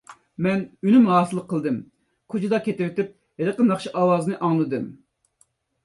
مەن ئۈنۈم ھاسىل قىلدىم. كوچىدا كېتىۋېتىپ ھېلىقى ناخشا ئاۋازىنى ئاڭلىدىم.